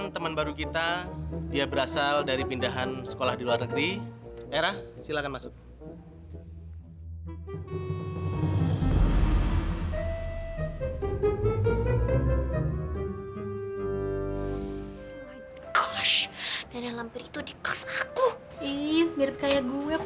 sampai jumpa di video selanjutnya